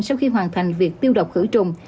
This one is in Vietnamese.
sau khi hoàn thành việc tiêu độc khử trùng